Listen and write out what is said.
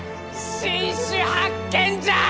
新種発見じゃ！